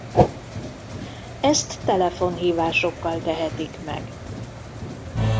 Ezt telefonhívásokkal tehetik meg.